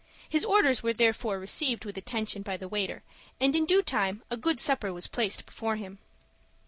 His orders were therefore received with attention by the waiter and in due time a good supper was placed before him.